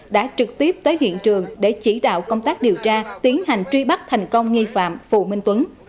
đã trực tiếp tới hiện trường để chỉ đạo công tác điều tra tiến hành truy bắt thành công nghi phạm phù minh tuấn